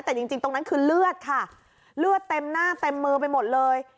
แต่จริงตรงนั้นคือเลือดค่ะเลือดเต็มหน้าเต็มมือไปหมดเลย